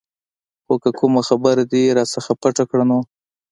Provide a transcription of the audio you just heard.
خو که کومه خبره دې رانه پټه کړه نو.